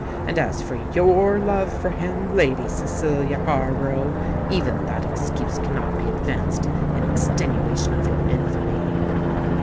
And as for your love for him, Lady Cecilia Harborough—even that excuse cannot be advanced in extenuation of your infamy."